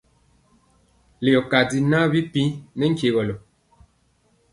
Leyɔ kanji njaŋ bipiiŋ nɛ nkyegɔlɔ.